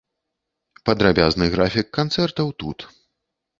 Падрабязны графік канцэртаў тут.